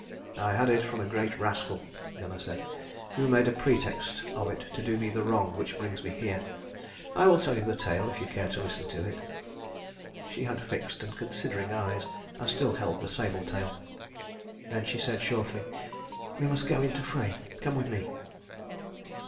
"I had it from a great rascal," Gunner said, "who made a pretext of it to do me the wrong which brings me here. I will tell you the tale if you care to listen to it." She had fixed and considering eyes, and still held the sable tail. Then she said shortly, "We must go in to Frey. Come with me."